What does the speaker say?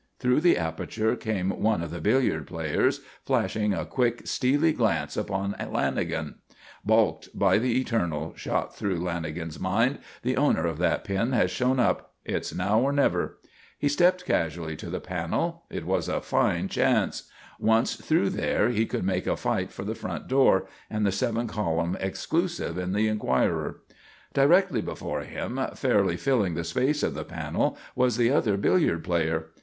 Through the aperture came one of the billiard players, flashing a quick, steely glance upon Lanagan. "Balked, by the eternal!" shot through Lanagan's mind. "The owner of that pin has shown up. It's now or never." He stepped casually to the panel; it was a fine chance. Once through there, he could make a fight for the front door, and the seven column exclusive in the Enquirer. Directly before him, fairly filling the space of the panel, was the other billiard player.